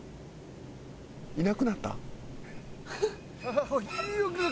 いなくなった？